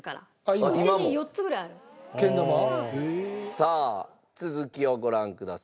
さあ続きをご覧ください。